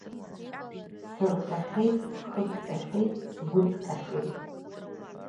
Сырҟьахьеит, схы ҭҟьахьеит, сгәы ҭҟьахьеит.